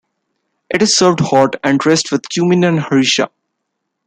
It is served hot and dressed with cumin and harissa.